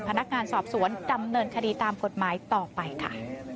พนักงานสอบสวนดำเนินคดีตามกฎหมายต่อไปค่ะ